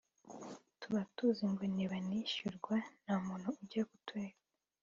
tube tuzi ngo nibanishyurwa nta muntu ujya kuturega